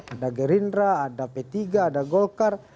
ada gerindra ada p tiga ada golkar